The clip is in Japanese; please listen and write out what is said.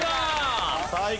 最高！